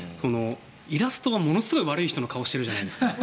イラストがものすごい悪い人の顔をしてるじゃないですか。